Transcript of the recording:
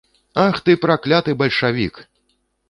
Ах ты, пракляты бальшавік!